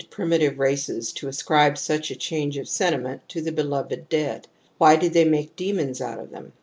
primitive races to ascribe such a change of senti ''• ment to the beloved dead ? Why did they make demons out of them